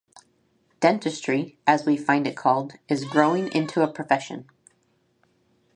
Dentistry, as we find it called, is growing into a profession.